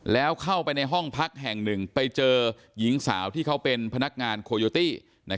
แล้วเข้าไปในห้องพักแห่งหนึ่งไปเจอหญิงสาวที่เขาเป็นพนักงานโคโยตี้